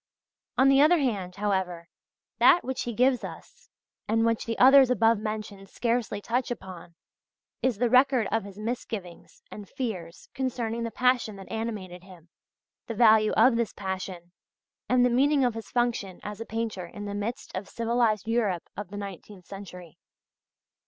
On the other hand, however, that which he gives us, and which the others above mentioned scarcely touch upon, is the record of his misgivings and fears concerning the passion that animated him, the value of this passion, and the meaning of his function as a painter in the midst of civilised Europe of the nineteenth century.